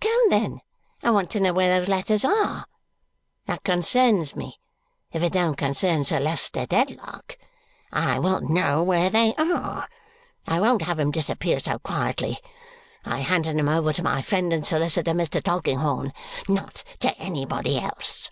Come, then, I want to know where those letters are. That concerns me, if it don't concern Sir Leicester Dedlock. I will know where they are. I won't have 'em disappear so quietly. I handed 'em over to my friend and solicitor, Mr. Tulkinghorn, not to anybody else."